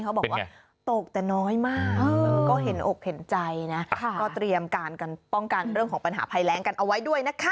เขาบอกว่าตกแต่น้อยมากก็เห็นอกเห็นใจนะก็เตรียมการกันป้องกันเรื่องของปัญหาภัยแรงกันเอาไว้ด้วยนะคะ